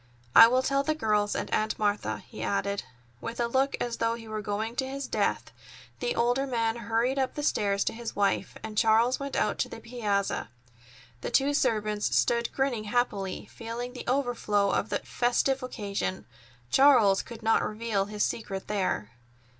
I will tell the girls and Aunt Martha," he added. With a look as though he were going to his death, the older man hurried up the stairs to his wife, and Charles went out to the piazza. The two servants stood grinning happily, feeling the overflow of the festive occasion. Charles could not reveal his secret there.